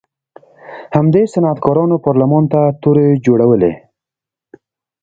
همدې صنعتکارانو پارلمان ته تورې جوړولې.